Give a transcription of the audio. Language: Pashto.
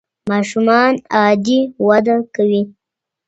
ماشومان عادي وده کوي.